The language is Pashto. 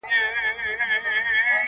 ور سره ښکلی موټر وو نازولی وو د پلار,